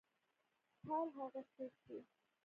هر هغه څوک چې